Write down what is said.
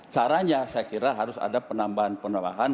caranya saya kira harus ada penambahan penambahan